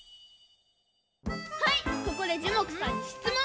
はいここでジュモクさんにしつもん！